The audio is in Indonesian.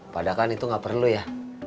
padahal kan itu nggak perlu ya